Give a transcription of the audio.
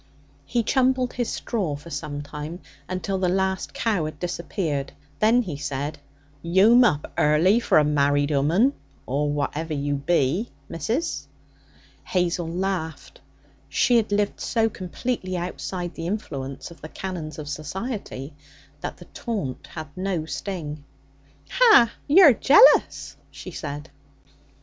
He chumbled his straw for some time, until the last cow had disappeared. Then he said: 'You'm up early for a married 'ooman, or whatever you be, missus.' Hazel laughed. She had lived so completely outside the influence of the canons of society that the taunt had no sting. 'Ha! you're jealous!' she said.